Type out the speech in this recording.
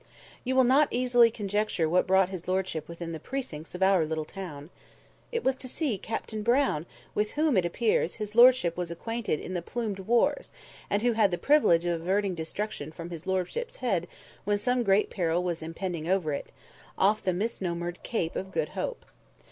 You will not easily conjecture what brought his lordship within the precincts of our little town. It was to see Captain Brown, with whom, it appears, his lordship was acquainted in the 'plumed wars,' and who had the privilege of averting destruction from his lordship's head when some great peril was impending over it, off the misnomered Cape of Good Hope.